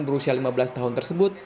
berusia lima belas tahun tersebut